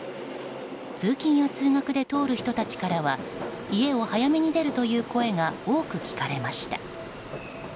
通勤や通学で通る人たちからは家を早めに出るという声が多く聞かれました。